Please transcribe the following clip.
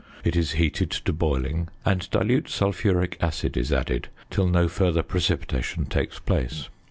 It is heated to boiling, and dilute sulphuric acid is added till no further precipitation takes place.